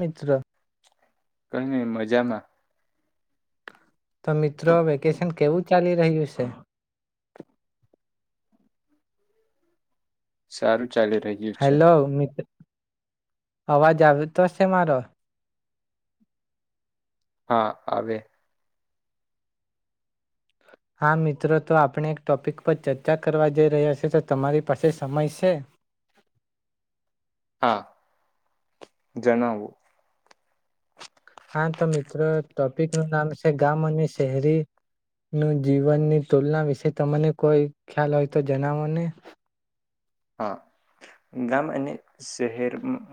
મિત્ર કઈ નઈ મજામાં. તો મિત્રો વેકેશન કેવું ચાલી રહ્યું છે? સારું. ચાલી રહ્યું છે. આવાજ આવતો હશે મારો. હા આવે. હા મિત્રો તો આપણે એક ટોપિક પર ચર્ચા કરવા જઈ રહ્યા છે, તો તમારી પાસે સમય છે. હા, જણાવું. હા, તો મિત્રો ટોપિક નું નામ છે ગામ અને શહેરી નું જીવનની તુલના વિશે તમને કોઈ ખ્યાલ હોય તો જનાવો ને. હા ગામ અને શહેર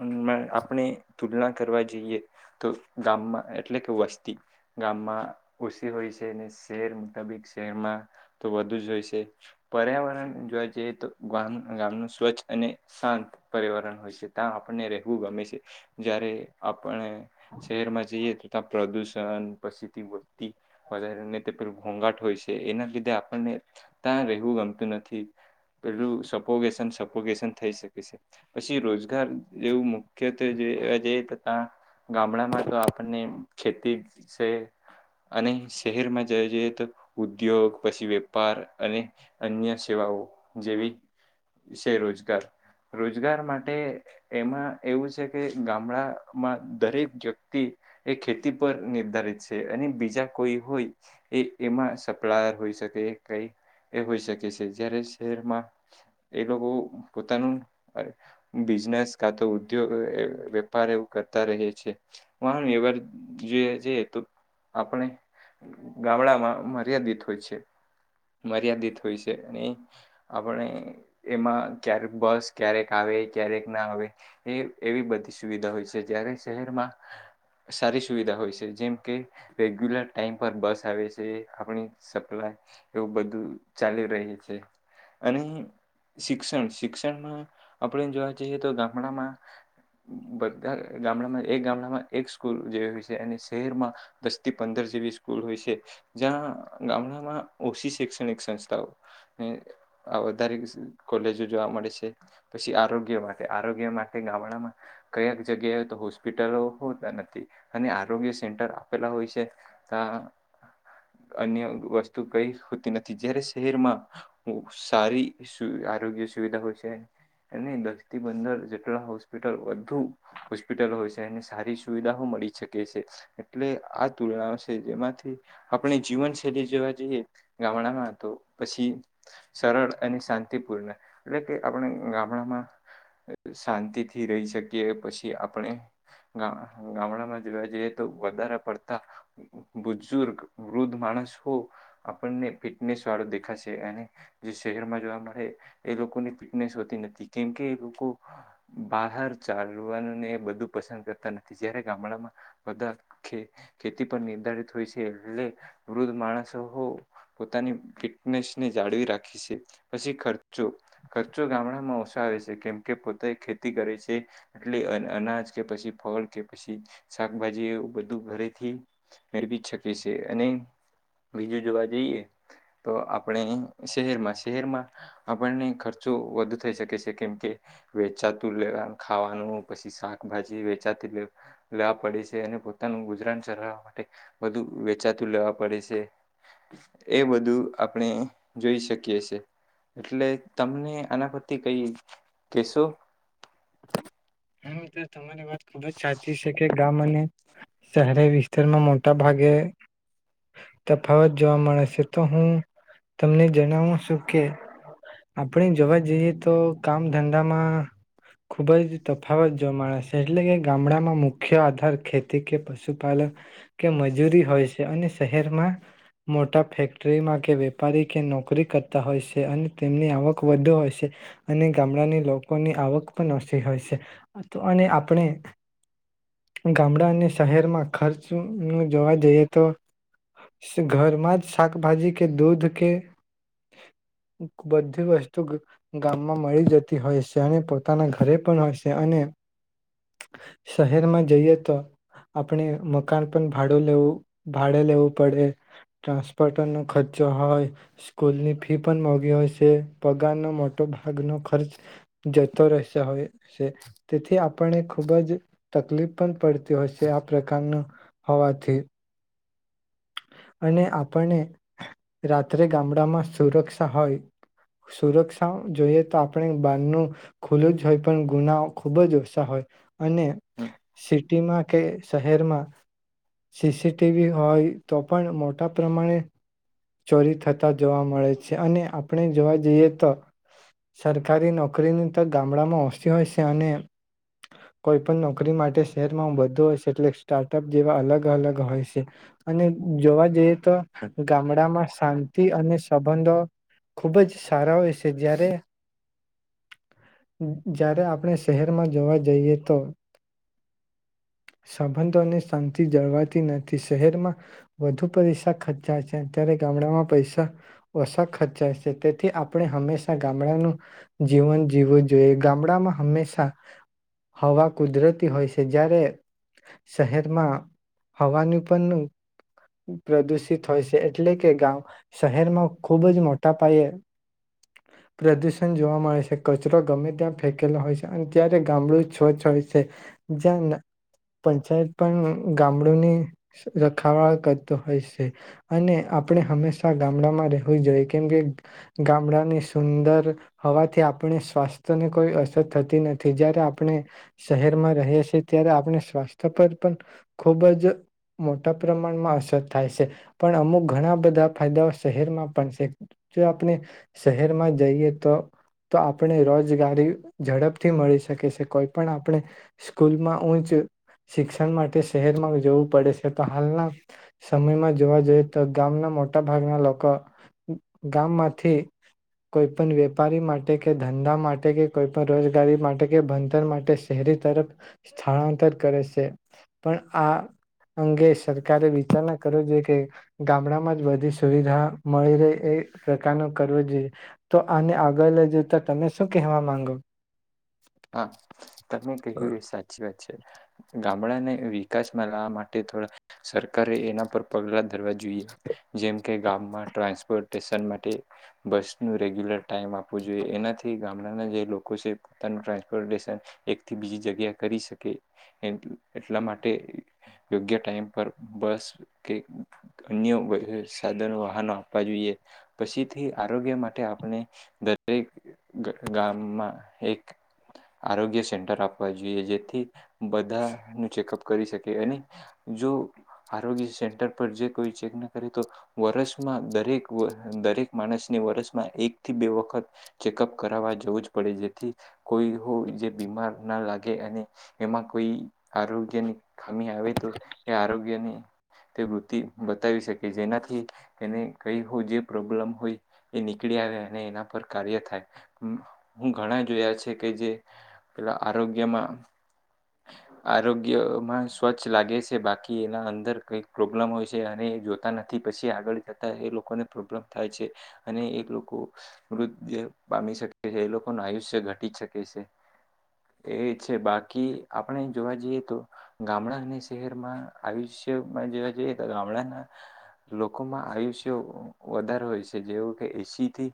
મ-માં આપણે તુલના કરવા જઈએ તો ગામમાં એટલે કે વસ્તી ગામમાં ઓછી હોય છે ને શહેર મુતાબિક શહેરમાં તો વધુ જ હોય છે. પર્યાવરણ જોવા જઈએ તો ગામ ગામનું સ્વચ્છ અને શાંત પર્યાવરણ હોય છે, ત્યાં આપણને રહેવું ગમે છે. જ્યારે આપણે શહેરમાં જઈએ તો ત્યાં પ્રદુષણ પછી વધતી વધારેને તે પેલું ઘોઘાટ હોય છે. એના લીધે આપણને ત્યાં રહેવું ગમતું નથી પેલું સબ ફોગેસન સપોગેશન થઈ શકે છે. પછી રોજગાર જેવું મુખ્યત્વેવા જઈએ તો તં ગામડામાં તો આપણને ખેતી છે અને શહેરમાં જવા જઈએ તો ઉદ્યોગ પછી વેપાર અને અન્ય સેવાઓ જેવી છે રોજગાર. રોજગાર માટે એમાં એવું છે કે ગામડામાં દરેક વ્યક્તિ એ ખેતી પર નિર્ધારિત છે. અને બીજા કોઈ હોય એ એમાં સપ્લાયર હોઈ શકે એ કઈ એ હોઈ શકે છે જ્યારે શહેરમાં એ લોકો પોતાનું બિઝનેસ કા તો ઉદ્યો, એ વેપાર એવું કરતા રહે છે. પણ વ્યવહારીક જે જે તો આપણે ગામડામાં મર્યાદિત હોય છે. મર્યાદિત હોય છે અને આપણે એમાં ક્યારે બસ ક્યારેક આવે, ક્યારેક ના આવે એ એવી બધી સુવિધા હોય છે. જ્યારે શહેરમાં સારી સુવિધા હોય છે. જેમ કે રેગ્યુલર ટાઈમ પર બસ આવે છે, આપણી સપ્લાય એવું બધું ચાલી રહી છે અને શિક્ષણ, શિક્ષણમાં આપણે જોવા જઈએ તો ગામડામાં બધા ગામડામાં એક ગામડામાં એક સ્કૂલ જેવી હોય છે અને શહેરમાં દસ થી પંદર જેવી સ્કૂલ હોય શે. જ્યાં ગામડામાં ઓછી શૈક્ષણિક સંસ્થાઓ એ વધારે કોલેજો જોવા મળે છે. પછી આરોગ્ય માટે, આરોગ્ય માટે ગામડામાં કયાક જગ્યાએ તો હોસ્પિટલો હોતા નથી અને આરોગ્ય સેન્ટર આપેલા હોય છે તા અન્ય વસ્તુ કઈ હોતી નથી. જયારે શહેરમાં સારી આરોગ્ય સુવિધા હોય છે અને દસ થી પંદર જેટલા હોસ્પિટલ વધુ હોસ્પિટલ હોય શે અને સારી સુવિધાઓ મળી શકે છે. એટલે આ તુલનાઓ છે જેમાંથી આપણે જીવનશૈલી જોવા જઈએ ગામડામાં તો પછી સરળ અને શાં [unintelligible] એટલે કે આપણે ગામડામાં શાંતિથી રહી શકીએ, પછી આપણે ગા ગામડામાં જોવા જઈએ તો વધારે પડતા બુજુર્ગ, વૃદ્ધ માણસ હો આપણને ફિટનેસ વાળો દેખાશે અને જે શહેરમાં જોવા મ એ લોકોની ફિટનેસ હોતી નથી. કેમકે એ લોકો બહાર ચાલવાને બધું પસંદ કરતા નથી. જયારે ગામડામાં બધા ખે ખેતી પર નિર્ધારિત હોય છે એટલે વૃદ્ધ માણસો પોતાની ફિટનેસને જાળવી રાખે છે. પછી ખર્ચો ખર્ચો ગામડામાં ઓશા આવે છે કેમકે પોતે ખેતી કરે શે એટલે અ અનાજ કે પછી ફળ કે પશી શાકભાજી એવું બધું ઘરેથી મેળવી શકે શે અને બીજું જોવા જઈએ તો આપણે શહેરમાં શહેરમાં આપણને ખર્ચો વધુ થઈ શકે શે કેમ કે વેચાતું લેવા, ખાવાનું પછી, શાકભાજી વેચાતું લેવા પડે છે અને પોતાનું ગુજરાન ચલાવવા માટે બધું વેચાતું લેવા પડે શે. એ બધું આપણે જોઈ શકીએ શે. એટલે તમને આના પરથી કઈ કેશું? હા તમારી વાત ખુબ જ સાચી શે કે ગામ અને શહેરી વિસ્તારમાં મોટા ભાગે તફાવત જોવા મળે શે. તો હું તમને જણાવું છું કે આપણે જોવા જઈએ તો કામ ધંધામાં ખૂબ જ તફાવત જો મળે શે એટલે કે ગામડામાં મુખ્ય આધાર ખેતી કે પશુપાલન કે મજૂરી હોય શે અને શહેરમાં મોટા ફેક્ટરીમાં કે વેપારી કે નોકરી કરતા હોય શે અને તેમની આવક વધુ હોય શે અને ગામડાની લોકોની આવક પણ ઓછી હોય શે અને આપણે ગામડા અને શહેરમાં ખર્ચ જોવા જઈએ તો ઘરમાં જ શાકભાજી કે દૂધ કે બધી વસ્તુ ગ ગામમાં મળી જતી હોય શે અને પોતાના ઘરે પણ હોય શે અને શહેરમાં જઈએ તો આપણે મકાન પણ ભાડું લેવું ભાડે લેવું પડે, ટ્રાન્સપોર્ટ નો ખર્ચો હોય, સ્કૂલની ફી પણ મોંઘી હોય છે, પગારનો મો મોટો ભાગનો ખર્ચ જતો રહેશે હવે હોય તેથી આપણને ખુબ જ તકલીફ પણ પડતી હોયશે આ પ્રકારનું હોવાથી અને આપણને રાત્રે ગામડામાં સુરક્ષા હોય સુરક્ષા જોઈએ તો આપણે બારનું ખુલ્લું જ હોય પણ ગુના ખુબ જ ઓછા હોય. અને હમ સિટીમાં કે શહેરમાં સીસીટીવી હોય તો પણ મોટા પ્રમાણે ચોરી થતા જોવા મળે છે અને આપણે જોવા જઈએ તો સરકારી નોકરીની તો ગામડામાં ઓછી હોય શે અને કોઈ પણ નોકરી માટે શહેરમાં બધું હોય શે એટલે સ્ટાર્ટઅપ જેવા અલગ અલગ હોય શે અને જોવા જઈએ તો ગામ શાંતિ અને સંબંધો ખુબ જ સારા હોય છે જ્યારે જ્યારે આપણે શહેરમાં જોવા જઈએ તો સંબંધો અને શાંતિ જળવાતી નથી શહેરમાં વધુ પૈસા ખર્ચા ત્યારે ગામડામાં પૈસા ઓછા ખર્ચાય છે તેથી આપણે હંમેશા ગામડાનું જીવન જીવવું જોઈએ ગામડામાં હંમેશા હવા કુદરતી હોય છે જ્યારે શહેરમાં હવાનું પણ પ્રદુષિત હોય છે એટલે કે ગામ શહેરમાં ખુબ જ મોટા પાયે પ્રદુષણ જોવા મળે છે કચરો ગમે ત્યાં ફેકેલો હોય છે અને ત્યારે ગામડું છોછ હોય છે જ્યાં પંચાયત પણ ગામડુંની રખાવળ કરતો હોય છે. અને આપણે હંમેશા ગામડામાં રહેવું જોઈએ કેમ કે ગામડાની સુંદર હવાથી આપણે સ્વાસ્થ્યને કોઈ અસર થતી નથી જય્યારે આપણે શહેરમાં રહી છીએ ત્યારે આપણે સ્વાસ્થ્ય પર પણ ખૂબ જ મોટા પ્રમાણમાં અસર થાય છે. પણ અમુક ઘણા બધા ફાયદાઓ શહેરમાં પણ છે જો આપણે શહેરમાં જઈએ તો તો આપણે રોજગારી ઝડપથી મળી શકે છે કોઈ પણ આપણે સ્કૂલમાં ઉઊંચ શિક્ષણ માટે શહેરમાં જવું પડે છે તો હાલના સમયમાં જો તો ગામના મોટા ભાગના લોકો ગામમાંથી કોઈ પણ વેપારી માટે કે ધંધા માટે કે કોઈ પણ રોજગારી માટે કે ભણતર માટે શહેરી તરફ સ્થળાંતર કરે છે પણ આ અંગે સરકારે વિચારણા કરવી જોઈએ. કે ગામડામાં જ બધી સુવિધા મળી રહે એ પ્રકારનો કરવો જોઈએ તો આને આગળ લઈ જતા તમે શું કહેવા માંગો. હા. તમે કહ્યું એ સાચી વાત છે. ગામડાને વિકાસમાં લાવવા માટે થોડા સરકારે એના પર પગલાં ધરવા જોઈએ જેમ કે ગામમાં ટ્રાન્સપોર્ટેશન માટે બસનું રેગ્યુલર ટાઈમ આપવું જોઈએ એનાથી ગામડાના જે લોકો છે. નું ટ્રાન્સપોર્ટેશન એકથી બીજી જગ્યાએ કરી શકે એટલા માટે યોગ્ય ટાઈમ પર બસ કે અન્ય સાધનો વાહનો આપવા જોઈએ પછીથી આરોગ્ય માટે આપણે દરેક ગામમાં એક આરોગ્ય સેન્ટર આપવા જોઈએ જેથી બધા ન ચેકઅપ કરી શકે અને જો આરોગ્ય સેન્ટર પર જે કોઈ ચેક ન કરે તો વરષમાં દરેક દરેક માણસને વરસમાં એકથી બે વખત ચેકઅપ કરાવવા જવું જ પડે જેથી કોઈ હો જે બીમાર ના લાગે અને એમાં કોઈ આરોગ્યની ખામી આવે તો એ આરોગ્ય ની તે વૃતિ બતાવી શકે જેનાથી એને કઈ હો જે પ્રોબ્લમ હોય એ નીકળી આવે અને એના પર કાર્ય થાય હું ઘણા જોયા છે કે જે પેલા આરોગ્યમાં આરોગ્યમાં સ્વચ્છ લાગે છે બાકી એના અંદર કઈક પ્રોબ્લેમ હોય છે અને જોતા નથી પછી આગળ જતા એ લોકોને પ્રોબ્લમ થાય છે અને એ લોકો મૃતદેહ પામી શકે છે એ લોકોનું આયુષ્ય ઘટી શકે છે એ છે બાકી આપણે જોવા જઈએ, તો ગામડા અને સહેરમાં આયુષ્યમાં જોવા જઈએ તો ગામડાના લોકોમાં આયુષ્ય વધા રે હોય છે. જેવું કે એસીથી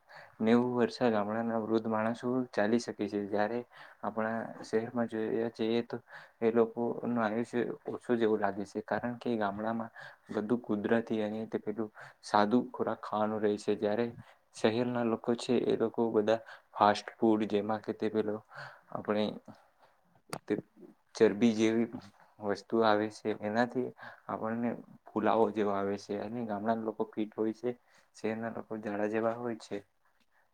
નેવું વર્સે આ ગામડાના વૃદ્ધ માણસો ચાલી સકે છે. જ્યારે આપણા શહેરમાં જોવા જોઈએ તો, એ લોકોનું આયુષ્ય ઓછું જેવું લાગે છે. કારણ કે ગામડામાં બધું કુદરતી અને તે પેલું સાદું ખોરાક ખાવાનું રહે છે. જ્યારે શહેરના લોકો છે, એ લોકો બધા ફાસ્ટ ફૂડ, જેમાં કે તે પેલો આપણે તે ચરબી જેવી વસ્તુ આવે છે, એનાથી આપણને ફુલાવો જેવા આવે છે. અને ગામડાના લોકો ફીટ હોય છે, શહેરના લોકો જાડા જેવા હોય છે.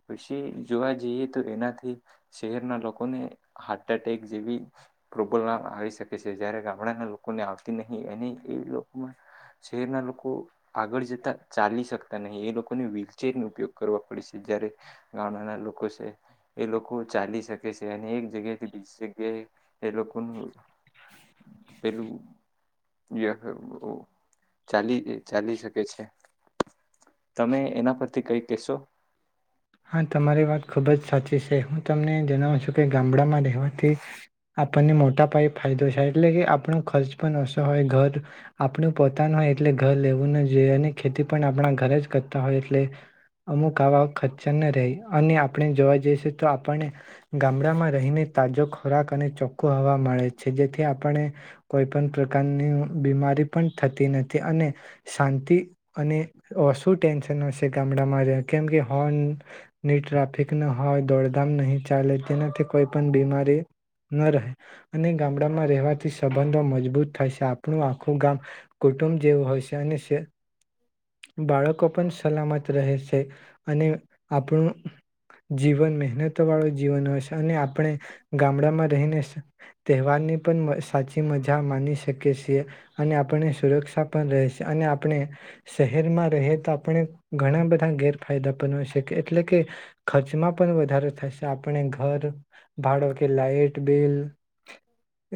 પછી જોવા જઈએ તો એનાથી શહેરના લોકોને હાર્ટ એટેક જેવી ટ્રબલ આમ આવી સકે છે, જયારે ગામડાના લોકોને આવતી નહીં. એને એ લોકોમાં શહેરના લોકો આગળ જતા ચાલી શકતા નહીં. એ લોકોને વ્હીલચેરનો ઉપયોગ કરવા પડે છે, જયારે ગામડાના લોકો છે એ લોકો ચાલી સકે છે, અને એક જગ્યાએથી બીજી જગ્યાએ એ લોકોનું પેલું [unintelligible] ચાલી ચાલી શકે છે. તમે એના પરથી કઈ કેશો? હા, તમારી વાત ખુબ જ સાચી છે. હું તમને જણાવું છું કે ગામડામાં રહેવાથી આપણને મોટા પાયે ફાયદો થાય, એટલે કે આપણો ખર્ચ પણ ઓછો હોય ઘર આપણું પોતાનું હોય એટલે ઘર લેવું ન જોઈએ અને ખેતી પણ આપણા ઘરે જ કરતા હોય, એટલે અમુક આવા ખર્ચા ન રેય, અને આપણે જોવા જઈશું તો આપણને ગામડામાં રહીને તાજો ખોરાક અને ચોખ્ખો હવા મળે છે. જેથી આપણે કોઈ પણ પ્રકારની બીમારી પણ થતી નથી, અને શાંતિ અને ઓસુ ટેન્શન હશે ગામડામાં રહે, કેમ કે હોર્ન ને ટ્રાફિક ના હોય, દોડધામ નહીં ચાલે, તેનાથી કોઈ પણ બીમારી ન રહે. અને ગામડામાં રહેવાથી સંબંધો મજબૂત થાય છે. આપણું આખું ગામ કુટુંબ જેવું હોય છે. અને સે બાળકો પણ સલામત રહે છે. અને આપણું જીવન મહેનતવાળું જીવન હોય છે, અને આપણે ગામડામાં રહીને તહેવારની પણ મ સાચી મજા માની શકીએ છીએ. અને આપણને સુરક્ષા પણ રહે છે. અને આપણે શહેરમાં રહીએ તો આપણને ઘણા બધા ગેર ફાયદા પન હોય છે, એટલે કે ખર્ચમાં પણ વધારો થાયશે. આપણે ઘર ભાડો કે લાાઈટ બિલ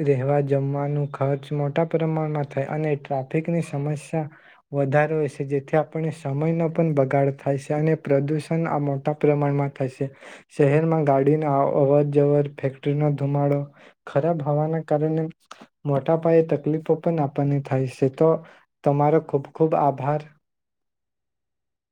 રહેેવા જમવાનો ખર્ચ મોટા પ્રમાણમાં થાય, અને ટ્રાફિકની સમસ્યા વધારે હોય છે, જેથી આપણને સમયનો પણ બગાડ થાય છે. અને પ્રદુષણ આ મોટા પ્રમાણમાં થાયશે. શહેરમાં ગાડીના અ અવર જવર ફેક્ટરીનો ધુમાડો ખરાબ હવાના કારણે મોટા પાયે તકલીફો પણ આપણને થાય છે. તો તમારો ખૂબ ખૂબ આભાર.